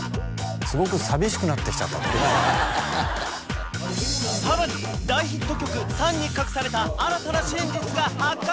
すごく寂しくなってきちゃったとさらに大ヒット曲「ＳＵＮ」に隠された新たな真実が発覚！